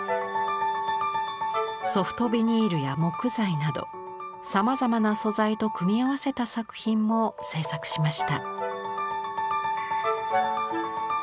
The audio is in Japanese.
ソフトビニールや木材などさまざまな素材と組み合わせた作品も制作しました。